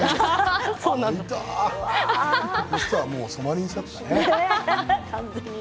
こん人はもう染まりんしゃったね。